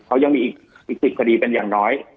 เขายังมีอีก๑๐คดีเป็นอย่างน้อย